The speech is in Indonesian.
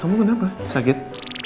kamu kenapa sakit